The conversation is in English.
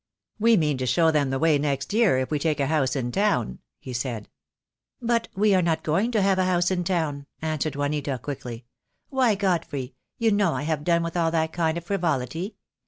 "We mean to show them the way next year, if we take a house in town," he said. "But we are not going to have a house in town," answered Juanita, quickly. "Why, Godfrey, you know I have done with all that kind of frivolity.